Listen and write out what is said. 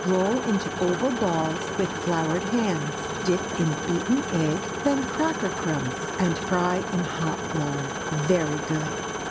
Roll into oval balls with floured hands, dip in beaten egg, then cracker crumbs, and fry in hot lard. Very good!